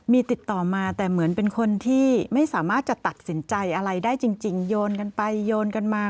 มีติดต่อมาแต่เหมือนเป็นคนที่ไม่สามารถจะตัดสินใจอะไรได้จริงโยนกันไปโยนกันมา